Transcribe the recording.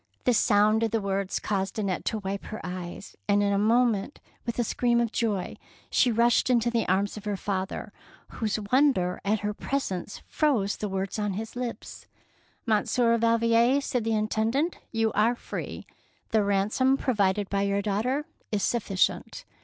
The sound of the words caused 218 THE PEAEL NECKLACE Annette to wipe her eyes, and in a moment, with a little scream of joy, she rushed into the arms of her father, whose wonder at her presence froze the words on his lips. " Monsieur Valvier," said the Intend ant, ''you are free. The ransom pro vided by your daughter is sufficient.